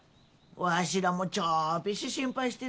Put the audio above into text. わしらもちょーっぴし心配してるんだ。